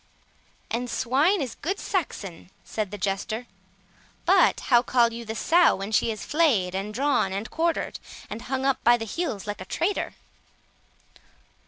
"And swine is good Saxon," said the Jester; "but how call you the sow when she is flayed, and drawn, and quartered, and hung up by the heels, like a traitor?"